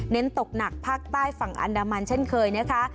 ตกหนักภาคใต้ฝั่งอันดามันเช่นเคยนะคะ